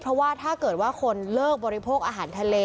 เพราะว่าถ้าเกิดว่าคนเลิกบริโภคอาหารทะเล